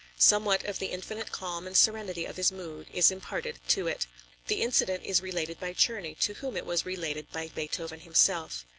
Somewhat of the infinite calm and serenity of his mood is imparted to it. The incident is related by Czerny to whom it was related by Beethoven himself.